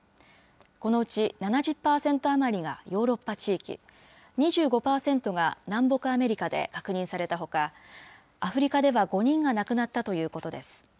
このうち７０％余りがヨーロッパ地域、２５％が南北アメリカで確認されたほか、アフリカでは５人が亡くなったということです。